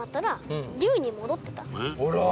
あら！